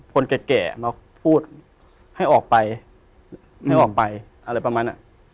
คนแก่มาพูดให้ออกไปให้ออกไปอะไรประมาณอ่ะ